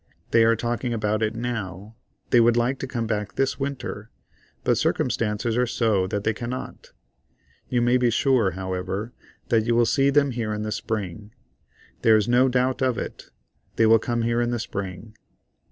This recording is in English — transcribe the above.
They are talking about it now. They would like to come back this Winter, but circumstances are so that they cannot. You may be sure, however, that you will see them here in the Spring. There is no doubt of it; they will come here in the Spring.